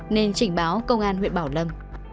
nên trình báo công an huyện bảo lâm